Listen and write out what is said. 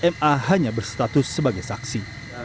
ma hanya berstatus sebagai saksi